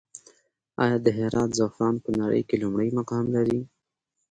آیا د هرات زعفران په نړۍ کې لومړی مقام لري؟